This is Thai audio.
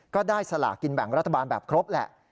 ก็ได้สลากินแบ่งรัฐบาลแบบครบแหละ